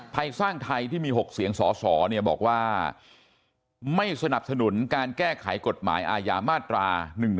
ไทยสร้างไทยที่มี๖เสียงสสบอกว่าไม่สนับสนุนการแก้ไขกฎหมายอาญามาตรา๑๑๒